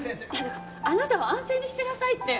だからあなたは安静にしてなさいって。